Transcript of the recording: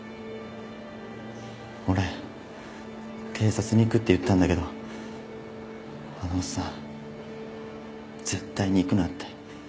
俺警察に行くって言ったんだけどあのおっさん絶対に行くなって。